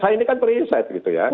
nah ini kan periset gitu ya